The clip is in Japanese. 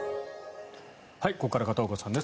ここから片岡さんです。